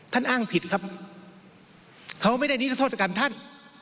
อ้างผิดครับเขาไม่ได้นิรโทษกรรมท่าน